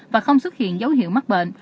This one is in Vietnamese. và không xuất hiện dấu hiệu mắc bệnh